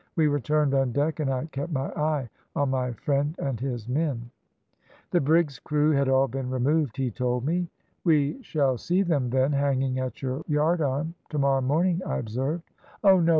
We returned on deck, and I kept my eye on my friend and his men. "The brig's crew had all been removed, he told me. "`We shall see them, then, hanging at your yardarm tomorrow morning,' I observed. "`Oh no!